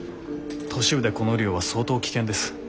都市部でこの量は相当危険です。